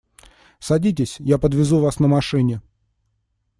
Садитесь, я подвезу вас на машине.